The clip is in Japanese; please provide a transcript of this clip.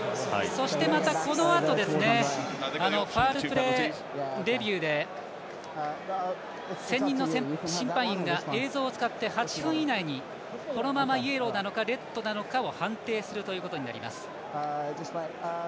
そして、またこのあとファウルプレーレビューで選任の審判員が映像を使って８分以内にこのままイエローなのか、レッドなのかを判定することになります。